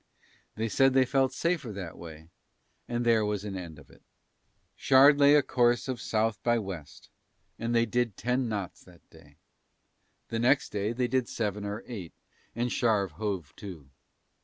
They said they felt safer that way and there was an end of it. Shard lay a course of South by West and they did ten knots that day, the next day they did seven or eight and Shard hove to.